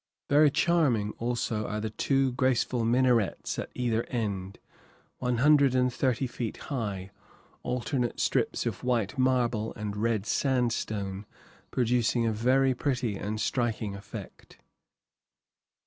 Very charming, also, are the two graceful minarets at either end, one hundred and thirty feet high, alternate strips of white marble and red sandstone producing a very pretty and striking effect.